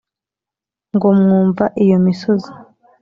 ngo mwumva iyo misozi,